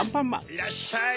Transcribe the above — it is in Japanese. いらっしゃい。